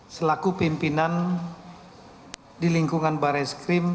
selaku pimpinan di lingkungan barre skrim